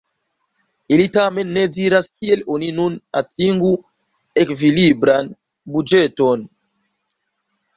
Ili tamen ne diras, kiel oni nun atingu ekvilibran buĝeton.